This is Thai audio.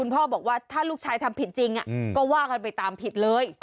พ่อบอกว่าถ้าลูกชายทำผิดจริงก็ว่ากันไปตามผิดเลย